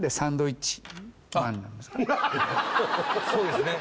そうですね